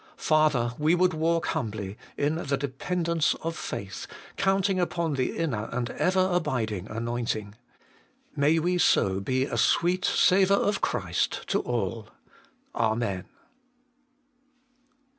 Father ! we would walk humbly, in the dependence of faith, counting upon the inner and ever abiding anointing. May we so be a sweet savour of Christ to all. Amen.